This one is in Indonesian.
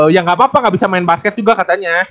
ya nggak apa apa nggak bisa main basket juga katanya